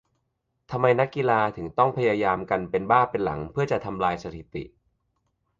ทำไมนักกีฬาถึงต้องพยายามกันเป็นบ้าเป็นหลังเพื่อจะทำลายสถิติ ?